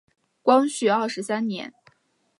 光绪二十三年。